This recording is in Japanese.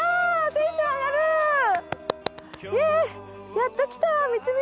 やっと来た三峯！